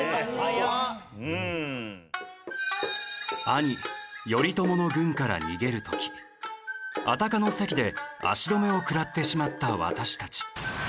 兄頼朝の軍から逃げる時安宅の関で足止めを食らってしまった私たち。